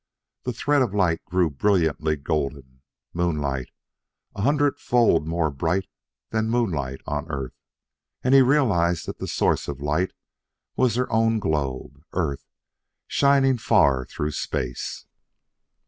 The thread of light grew brilliantly golden moonlight, a hundredfold more bright than moonlight on Earth. And he realized that the source of light was their own globe, Earth, shining far through space!